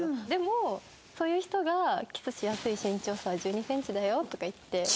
でもそういう人が「キスしやすい身長差は１２センチだよ」とか言って。